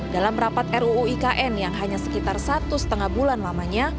dalam rapat ruu ikn yang hanya sekitar satu lima bulan lamanya